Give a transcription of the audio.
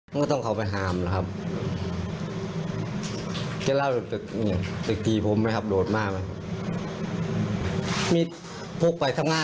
สำหรับวัยรุ่นที่ร่วมการก่อเหตุนี้นะคะ